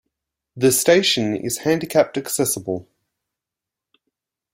The station is handicapped-accessible.